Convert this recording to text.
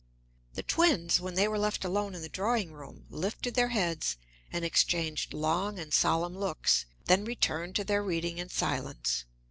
The twins, when they were left alone in the drawing room, lifted their heads and exchanged long and solemn looks; then returned to their reading in silence.